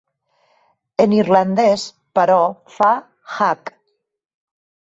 En irlandès, però, fa hac.